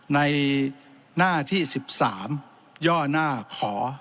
ในหน้าที่๑๓ย่อหน้าขอ